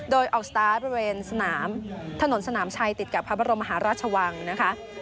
โดยออกสตาร์ทบริเวณสนามถนนสนามชัยติดกับพระบรมมหาราชวังนะคะ